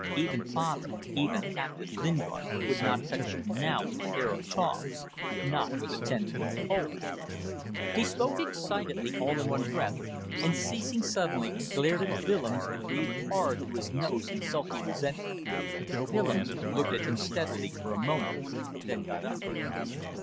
Even father, even Captain Lingard, would not touch you now with a pair of tongs; not with a ten foot pole. ..." He spoke excitedly, all in one breath, and, ceasing suddenly, glared at Willems and breathed hard through his nose in sulky resentment. Willems looked at him steadily for a moment, then got up.